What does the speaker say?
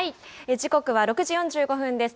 時刻は６時４５分です。